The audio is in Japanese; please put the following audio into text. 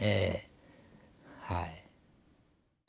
はい。